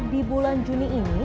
di bulan juni ini